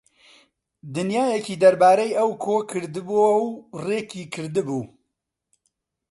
دنیایەکی دەربارەی ئەو کۆ کردبۆوە و ڕێکی کردبوو